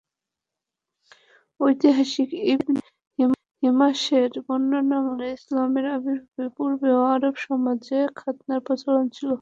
ঐতিহাসিক ইবনে হিশামের বর্ণনামতে ইসলামের আবির্ভাবের পূর্বেও আরব সমাজে খৎনার প্রচলন ছিল।